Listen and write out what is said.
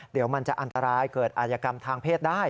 เดี๋ยวมันจะอันตรายเกิดอายกรรมทางเพศได้